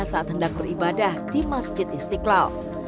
saat hendak beribadah di masjid istiqlal